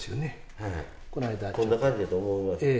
はいこんな感じやと思います。